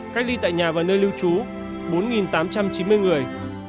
cách ly tại nhà và nơi lưu trú bốn tám trăm chín mươi người